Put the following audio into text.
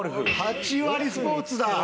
「８割スポーツ」だ。